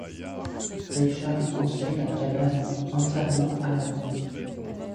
Richard construit la cabane entièrement à la main.